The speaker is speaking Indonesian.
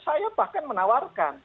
saya bahkan menawarkan